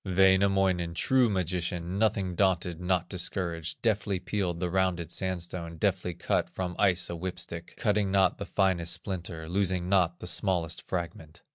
Wainamoinen, true magician, Nothing daunted, not discouraged, Deftly peeled the rounded sandstone, Deftly cut from ice a whip stick, Cutting not the finest splinter, Losing not the smallest fragment.